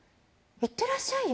行ってらっしゃいよ。